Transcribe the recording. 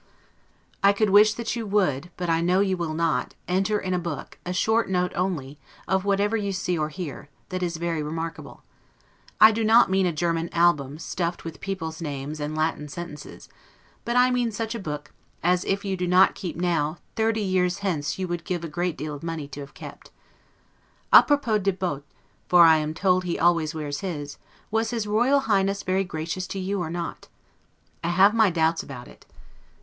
I could wish that you would (but I know you will not) enter in a book, a short note only, of whatever you see or hear, that is very remarkable: I do not mean a German ALBUM stuffed with people's names, and Latin sentences; but I mean such a book, as, if you do not keep now, thirty years hence you would give a great deal of money to have kept. 'A propos de bottes', for I am told he always wears his; was his Royal Highness very gracious to you, or not? I have my doubts about it.